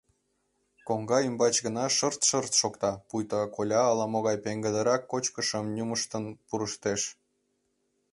Коҥга ӱмбач гына шырт-шырт шокта, пуйто коля ала-могай пеҥгыдырак кочкышым нюмыштын пурыштеш.